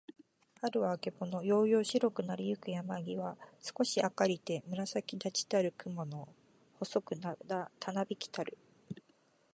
春はるは、あけぼの。やうやうしろくなりゆく山やまぎは、すこし明あかりて、紫むらさきだちたる雲くもの、細ほそくたなびきたる。